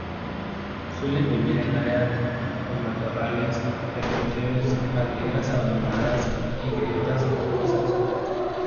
Suelen vivir en áreas con matorrales, termiteros, madrigueras abandonadas y grietas rocosas.